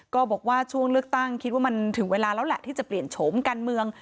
บอกว่าช่วงเลือกตั้งคิดว่ามันถึงเวลาแล้วแหละที่จะเปลี่ยนโฉมการเมือง